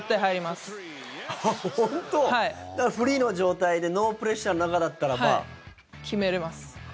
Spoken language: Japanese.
だから、フリーの状態でノープレッシャーの中だったらば。決めれます。